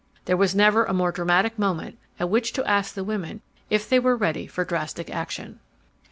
There was never a more dramatic moment at which to ask the women if they were ready for drastic action.